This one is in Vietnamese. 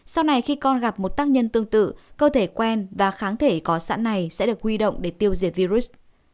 sau này khi con gặp một tác nhân tương tự cơ thể quen và kháng thể có sẵn này sẽ được huy động để tiêu diệt virus